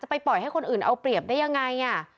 ไปปล่อยให้คนอื่นเอาเปรียบได้ยังไง